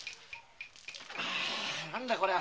何だこりゃ？